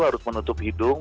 harus menutup hidung